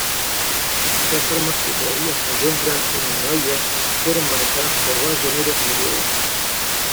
Estas armas que todavía se encuentran en la bahía, fueron manejadas por balleneros noruegos.